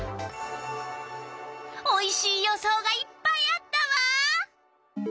おいしい予想がいっぱいあったわ！